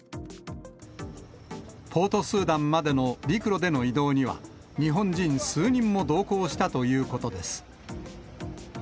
ポートスーダンまでの陸路での移動には、日本人数人も同行したということです。